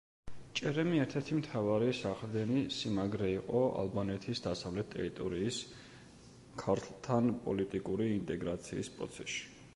ჭერემი ერთ-ერთი მთავარი საყრდენი სიმაგრე იყო ალბანეთის დასავლეთ ტერიტორიის ქართლთან პოლიტიკური ინტეგრაციის პროცესში.